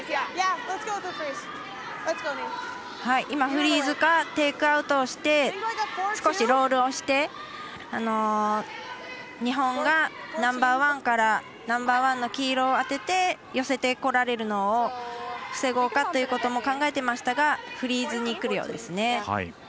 今、フリーズかテイクアウトをして少しロールをして日本がナンバーワンからナンバーワンの黄色を当てて寄せてこられるのを防ごうかということも考えてましたがフリーズにくるようですね。